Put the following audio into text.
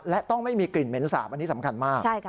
และต้องไม่มีกลิ่นเหม็นสาบอันนี้สำคัญมาก